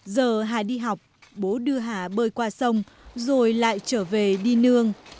giờ hà đi học bố đưa hà bơi qua sông rồi lại trở về đi nương